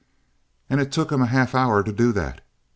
And it took him a half hour to do that.